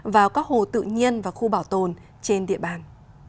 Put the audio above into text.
vào các hồ tự nhiên và khu bảo tồn trên địa bàn